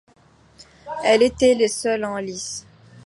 Elles étaient les seules en lice.